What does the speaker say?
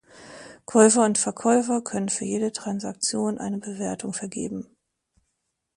Käufer und Verkäufer können für jede Transaktion eine Bewertung vergeben.